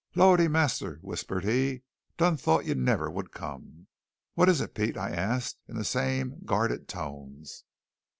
"Lo'dee, massa," whispered he, "done thought you nevah would come." "What is it, Pete?" I asked in the same guarded tones.